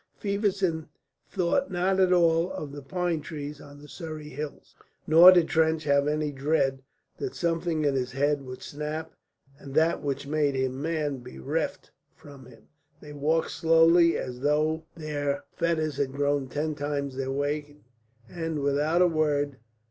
Feversham thought not at all of the pine trees on the Surrey hills, nor did Trench have any dread that something in his head would snap and that which made him man be reft from him. They walked slowly, as though their fetters had grown ten times their weight, and without a word.